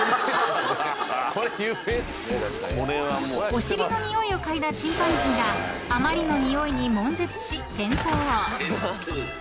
［お尻のにおいをかいだチンパンジーがあまりのにおいにもん絶し転倒］